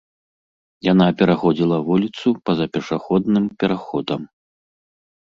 Яна пераходзіла вуліцу па-за пешаходным пераходам.